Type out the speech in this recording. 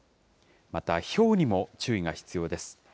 また、ひょうにも注意が必要です。